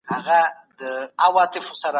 خلک کولی شي دا عادت جوړ کړي.